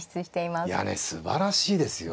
すばらしいですよ。